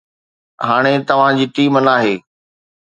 هاڻي توهان جي ٽيم ناهي